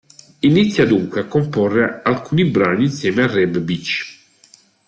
Inizia dunque a comporre alcuni brani insieme a Reb Beach.